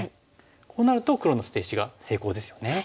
こうなると黒の捨て石が成功ですよね。